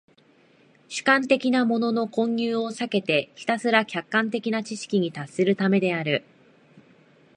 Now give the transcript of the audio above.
主観的なものの混入を避けてひたすら客観的な知識に達するためである。